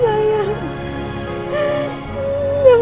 biu nyalin pedang